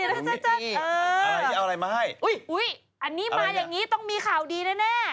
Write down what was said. อื้ยอันนี้มาอย่างนี้ต้องมีข่าวดีแน่